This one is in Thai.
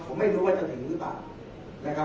ผมไม่รู้ว่าจะถึงหรือเปล่า